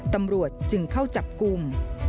ตำรวจจึงเข้าจับกลุ่ม